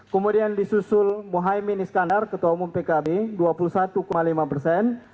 kemudian disusul mohaimin iskandar ketua umum pkb dua puluh satu lima persen